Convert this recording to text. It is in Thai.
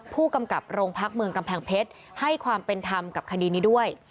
ผู้กำกับโรงพักเมืองกำแพงเพชรให้ความเป็นธรรมกับคดีนี้ด้วย